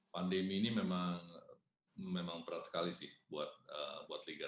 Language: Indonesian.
pandemi ini memang memang berat sekali sih buat liga